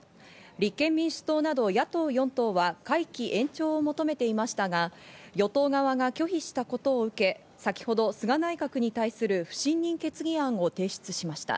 立憲民主党など野党４党は会期延長を求めていましたが、与党側が拒否したことを受け、先ほど菅内閣に対する不信任決議案を提出しました。